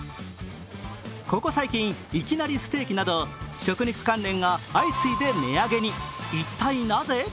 ここ最近、いきなりステーキなど食肉関連が相次いで値上げに、一体なぜ？